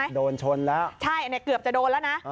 โดนชนแล้วใช่อันนี้เกือบจะโดนแล้วนะ